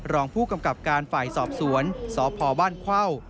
รองผู้กำกับการฝ่ายสอบสวนสพบ้านเข้า